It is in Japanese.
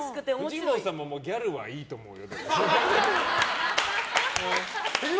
フジモンさんもギャルはもういいと思うよ。